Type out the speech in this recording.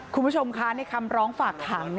คุณผู้ชมคะในคำร้องฝากขัง